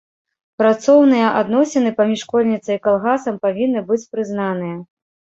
Працоўныя адносіны паміж школьніцай і калгасам павінны быць прызнаныя.